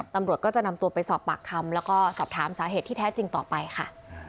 ตำรวจก็จะนำตัวไปสอบปากคำแล้วก็สอบถามสาเหตุที่แท้จริงต่อไปค่ะ